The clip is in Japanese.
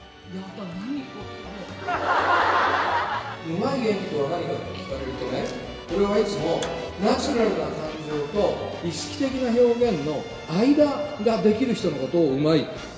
うまい演劇は何かって聞かれるとね俺はいつもナチュラルな感情と意識的な表現の間ができる人のことをうまい。